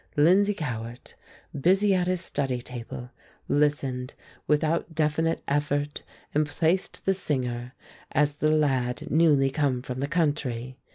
Lindsay Cowart, busy at his study table, listened without definite effort and placed the singer as the lad newly come from the country.